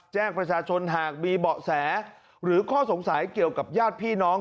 แจ้งประชาชนหากมีเบาะแสหรือข้อสงสัยเกี่ยวกับญาติพี่น้อง